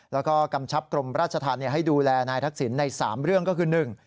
แล้วก็กำชับกรมราชธรรมให้ดูแลนายทักษิณใน๓เรื่องก็คือหนึ่ง